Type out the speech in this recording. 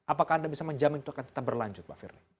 apakah anda bisa menjamin itu akan tetap berlanjut pak firly